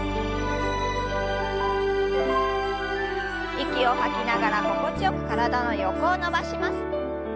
息を吐きながら心地よく体の横を伸ばします。